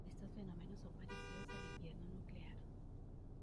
Estos fenómenos son parecidos al invierno nuclear.